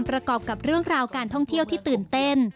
ประกอบกับเรื่องราวการท่องเที่ยวที่ตื่นเต้น